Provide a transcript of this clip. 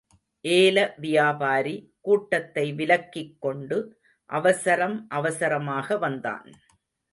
ஏல வியாபாரி, கூட்டத்தை விலக்கிக் கொண்டு அவசரம் அவசரமாக வந்தான்.